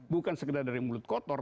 bukan sekedar dari mulut kotor